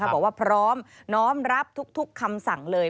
บอกว่าพร้อมน้อมรับทุกคำสั่งเลย